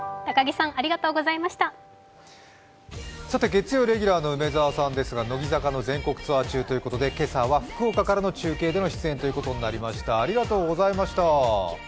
月曜レギュラーの梅澤さんですが乃木坂の全国ツアー中ということで今朝は福岡からの中継での出演になりました、ありがとうございました。